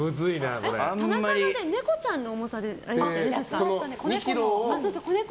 田中さんって猫ちゃんの重さでやってましたよね。